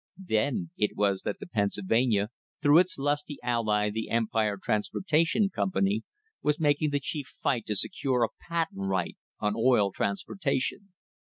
Then it was that the Pennsylvania, through its lusty ally the Empire Transportation Company, was making the chief fight to secure a "patent right on oil transportation."